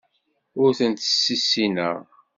Ur tent-ssissineɣ.